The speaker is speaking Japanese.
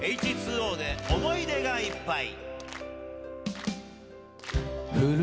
Ｈ２Ｏで想い出がいっぱい。